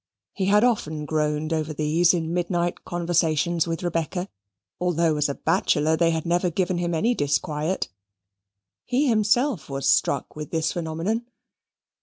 He had often groaned over these in midnight conversations with Rebecca, although as a bachelor they had never given him any disquiet. He himself was struck with this phenomenon.